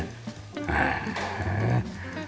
へえ。